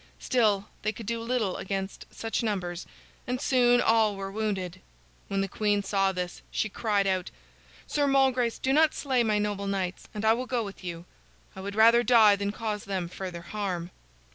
Still, they could do little against such numbers, and soon all were wounded. When the queen saw this, she cried out: "Sir Malgrace, do not slay my noble knights, and I will go with you. I would rather die than cause them further harm."